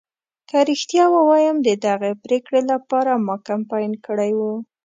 که رښتیا ووایم ددغې پرېکړې لپاره ما کمپاین کړی و.